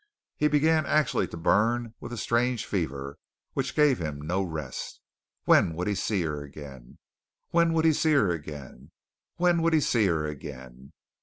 He began actually to burn with a strange fever, which gave him no rest. When would he see her again? When would he see her again? When would he see her again?